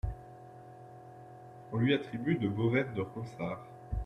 On lui attribue de beaux vers de Ronsard.